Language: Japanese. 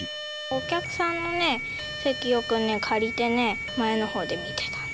お客さんの席、よく借りてね、前のほうで見てたの。